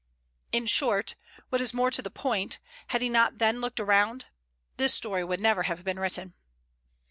in short, what is more to the point, had he not then looked round, this story would never have been written.